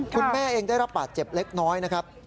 คุณแม่เองได้รับบาดเจ็บเล็กน้อยนะครับ